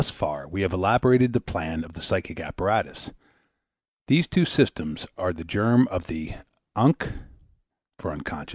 Thus far we have elaborated the plan of the psychic apparatus; these two systems are the germ of the Unc.